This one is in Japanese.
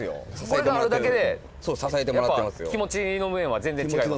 これがあるだけでやっぱ気持ちの面は全然違いますか？